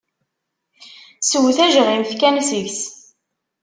Sew tajɣimt kan seg-s.